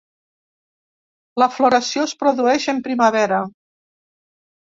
La floració es produeix en primavera.